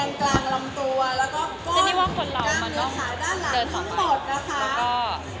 แล้วก็กล้องกล้องเนื้อสายด้านหลังทั้งหมด